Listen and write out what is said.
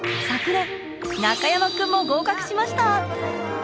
昨年中山君も合格しました！